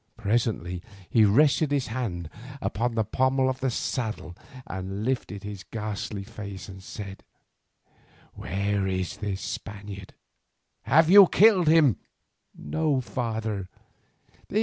Presently he rested his hand upon the pommel of the saddle, and lifting his ghastly face he said: "Where is this Spaniard? Have you killed him?" "No, father.